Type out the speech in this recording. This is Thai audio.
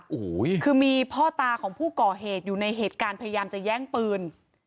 โอ้โหคือมีพ่อตาของผู้ก่อเหตุอยู่ในเหตุการณ์พยายามจะแย่งปืน